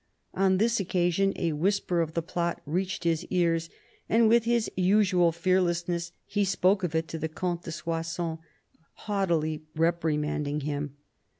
On this occasion a whisper of the plot reached his ears, and with his usual fearlessness he spoke of it to the Comte de Soissons, haughtily reprimanding him.